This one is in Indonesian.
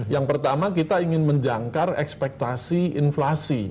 yang pertama kita ingin menjangkar ekspektasi inflasi